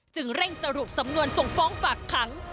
เร่งสรุปสำนวนส่งฟ้องฝากขัง